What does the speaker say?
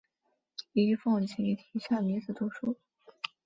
尹奉吉提倡女子读书。